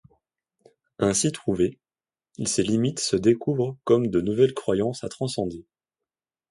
Ainsi trouvées, ces limites se découvrent comme de nouvelles croyances à transcender.